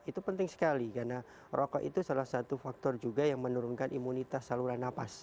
itu penting sekali karena rokok itu salah satu faktor juga yang menurunkan imunitas saluran nafas